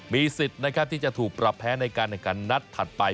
มีสิทธิ์นะครับที่จะถูกประแพ้ในการเนื้อการนัดถัดไป